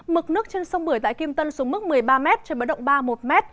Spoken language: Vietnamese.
mực nước trên sông bưởi tại kim tân xuống mức một mươi ba m trên báo động ba mươi một m